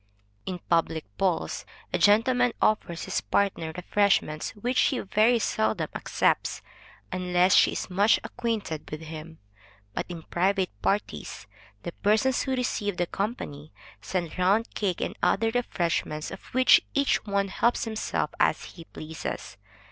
In public balls, a gentleman offers his partner refreshments, which she very seldom accepts, unless she is much acquainted with him. But in private parties, the persons who receive the company, send round cake and other refreshments, of which each one helps himself as he pleases.